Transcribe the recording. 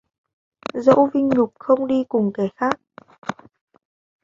Dẫu vinh nhục không đi cùng kẻ khác